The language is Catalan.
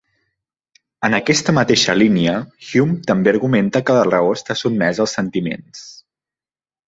En aquesta mateixa línia, Hume també argumenta que la raó està sotmesa als sentiments.